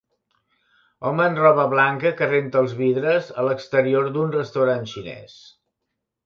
Home amb roba blanca que renta els vidres a l"exterior d"un restaurant xinés.